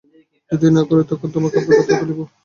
যদি না করি, তখন তোমার কাব্যের কথা তুলিয়ো।